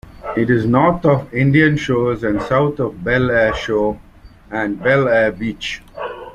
It is north of Indian Shores and south of Belleair Shore and Belleair Beach.